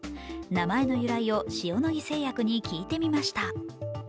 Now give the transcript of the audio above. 名前の由来を塩野義製薬に聞いてみました。